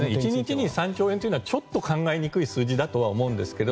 １日に３兆円というのはちょっと考えにくい数字だと思います。